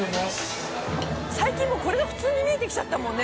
最近もうこれが普通に見えてきちゃったもんね。